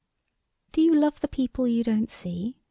"Do you love the people you don't see?"